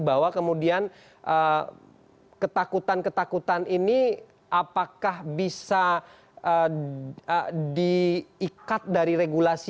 bahwa kemudian ketakutan ketakutan ini apakah bisa diikat dari regulasi